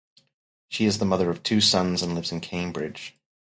She is the mother of two sons and lives in Cambridge.